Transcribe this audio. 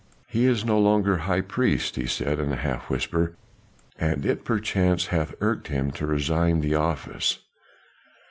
"He is no longer High Priest," he said, in a half whisper, "and it perchance hath irked him to resign the office."